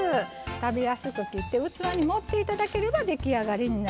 食べやすく切って器に盛って頂ければ出来上がりになります。